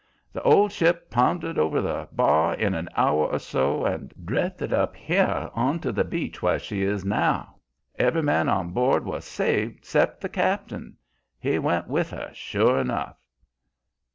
The old ship pounded over the bar in an hour or so, and drifted up here on to the beach where she is now. Every man on board was saved except the cap'n. He 'went with her,' sure enough.